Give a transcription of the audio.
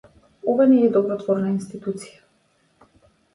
Ова не е добротворна институција.